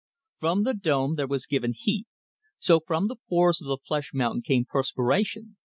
From the dome there was given heat; so from the pores of the flesh mountain came perspiration.